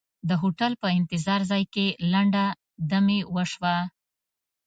د هوټل په انتظار ځای کې لنډه دمې وشوه.